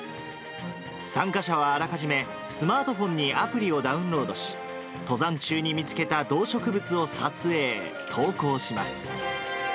参加者はあらかじめスマートフォンにアプリをダウンロードし、登山中に見つけた動植物を撮影、投稿します。